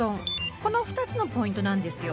この２つのポイントなんですよ。